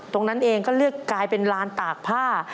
ตรงนั้นเองก็เลือกกลายเป็นลานตากผ้า